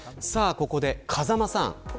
ここで、風間さん